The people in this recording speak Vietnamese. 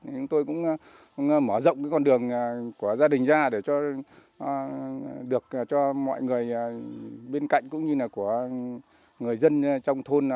chúng tôi cũng mở rộng con đường của gia đình ra để được cho mọi người bên cạnh cũng như là của người dân trong thôn